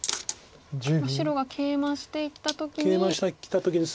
白がケイマしていった時に。